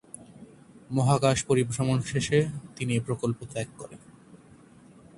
মহাকাশ পরিভ্রমণ শেষে তিনি এ প্রকল্প ত্যাগ করেন।